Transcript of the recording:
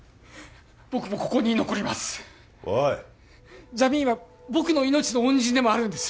僕もここに残りますおいジャミーンは僕の命の恩人でもあるんです